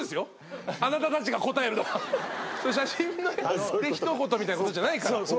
写真で一言みたいなことじゃないから。